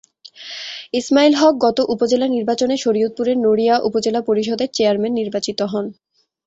ইসমাইল হক গত উপজেলা নির্বাচনে শরীয়তপুরের নড়িয়া উপজেলা পরিষদের চেয়ারম্যান নির্বাচিত হন।